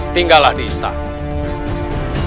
tinggallah di istana